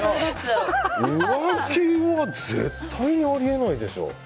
浮気は絶対にあり得ないでしょ。